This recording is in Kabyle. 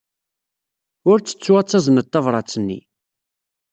Ur ttettu ad tazneḍ tabṛat-nni.